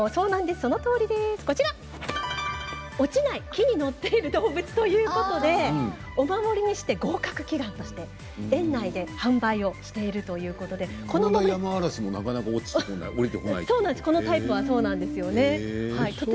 そのとおりです落ちない樹に乗っている動物ということでお守りにして合格祈願として園内で販売をしているカナダヤマアラシもこのタイプはそうなんです。